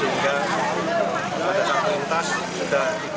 sudah tidak ada waktu lagi untuk dia kunci